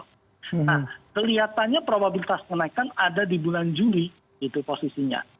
nah kelihatannya probabilitas kenaikan ada di bulan juli gitu posisinya